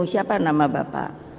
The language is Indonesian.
siapa nama bapak